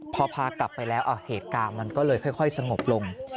พอพากลับไปแล้วเหตุการณ์มันก็เลยค่อยสงบลง